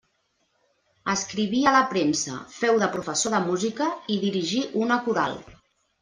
Escriví a la premsa, feu de professor de música i dirigí una coral.